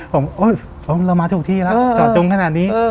ผมเรามาถูกที่แล้วจอดจงขนาดนี้